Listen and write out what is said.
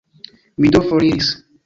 Mi do foriris.